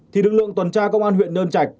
thì lực lượng tuần tra công an huyện nơn chạch